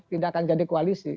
tidak akan jadi koalisi